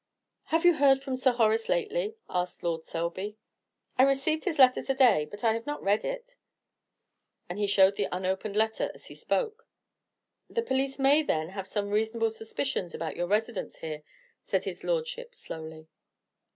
"Have you heard from Sir Horace lately?" asked Lord Selby. "I received this letter to day, but I have not read it;" and he showed the unopened letter as he spoke. "The police may, then, have some reasonable suspicions about your residence here," said his Lordship, slowly.